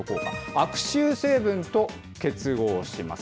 悪臭成分と結合します。